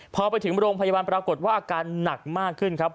พอไปถึงโรงพยาบาลปรากฏว่าอาการหนักมากขึ้นครับ